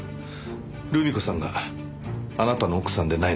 留美子さんがあなたの奥さんでないのなら。